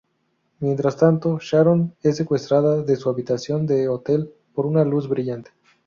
Mientras tanto, Sharon es secuestrada de su habitación de hotel por una luz brillante.